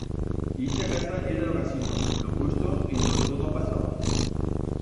Ixa casa yera lo casino, lo puesto en do todo pasaba.